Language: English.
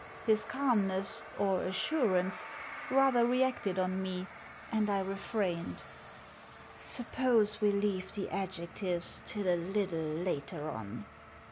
His calmness, or assurance, rather reacted on me, and I refrained. " Suppose we leave the adjectives till a little later on?